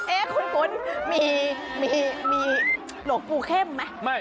เอ๊ะคุณมีหลวงปู่เข้มไหม